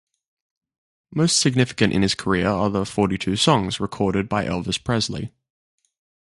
Most significant in his career are the forty-two songs recorded by Elvis Presley.